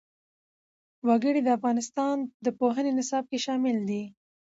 وګړي د افغانستان د پوهنې نصاب کې شامل دي.